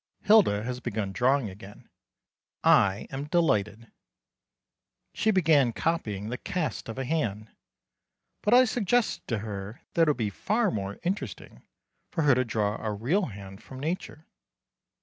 Hilda has begun drawing again. I am delighted. She began copying the cast of a hand; but I suggested to her that it would be far more interesting for her to draw a real hand from nature.